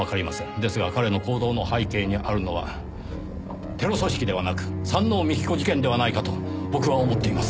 ですが彼の行動の背景にあるのはテロ組織ではなく山王美紀子事件ではないかと僕は思っています。